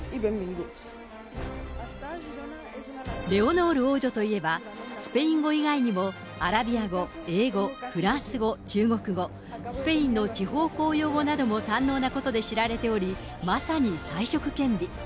レオノール王女といえば、スペイン語以外にも、アラビア語、英語、フランス語、中国語、スペインの地方公用語なども堪能なことで知られており、まさに才色兼備。